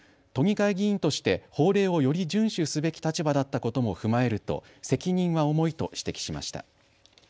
都議会議員として法令をより順守すべき立場だったことも踏まえると責任は重いと指摘しました。